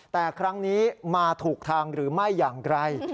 แต่ครั้งนี้มาถูกทางหรือไม่อย่างไร